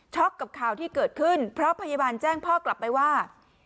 กับข่าวที่เกิดขึ้นเพราะพยาบาลแจ้งพ่อกลับไปว่า